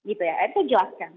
itu saya jelaskan